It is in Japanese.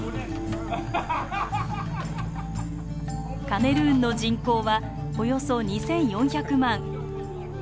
カメルーンの人口はおよそ２，４００万。